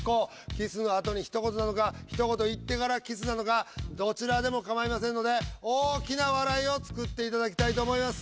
キスのあとにひと言なのかひと言言ってからキスなのかどちらでも構いませんので大きな笑いを作っていただきたいと思います。